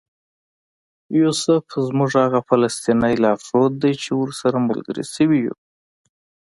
یوسف زموږ هغه فلسطینی لارښود دی چې ورسره ملګري شوي یو.